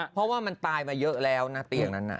เพราะว่ามันตายมาเยอะแล้วนะเตียงนั้น